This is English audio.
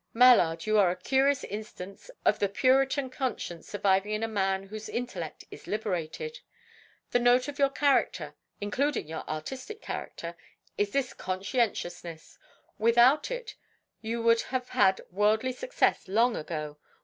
"Mallard, you are a curious instance of the Puritan conscience surviving in a man whose intellect is liberated. The note of your character, including your artistic character, is this conscientiousness. Without it, you would have had worldly success long ago.